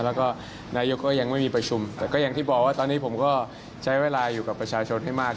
แล้วก็นายกก็ยังไม่มีประชุมแต่ก็อย่างที่บอกว่าตอนนี้ผมก็ใช้เวลาอยู่กับประชาชนให้มาก